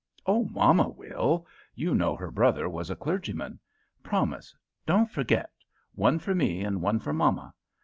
"Oh, mamma will; you know her brother was a clergyman. Promise. Don't forget one for me and one for mamma.